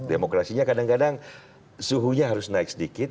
demokrasinya kadang kadang suhunya harus naik sedikit